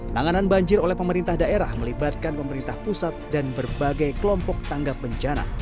nanganan banjir oleh pemerintah daerah melibatkan pemerintah pusat dan berbagai kelompok tanggap bencana